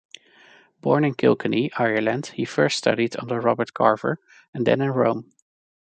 Born in Kilkenny, Ireland, he first studied under Robert Carver and then in Rome.